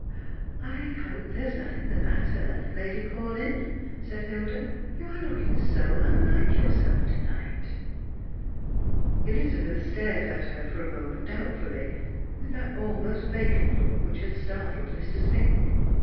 " I hope there is nothing the matter, Lady Paulyn ?" said Hilda ;" you are looking so ^^nhke yourself to night." Elizabeth stared at her for a moment doubtfully, with that almost vacant look which had startled Mr. Spink.